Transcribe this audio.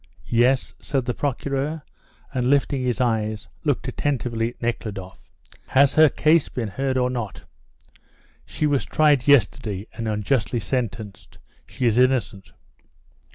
"Yes?" said the Procureur, and, lifting his eyes, looked attentively at Nekhludoff. "Has her case been heard or not?" "She was tried yesterday, and unjustly sentenced; she is innocent."